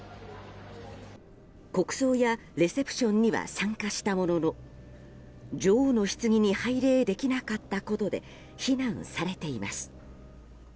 国葬やレセプションには参加したものの女王のひつぎに拝礼できなかったことで非難されています。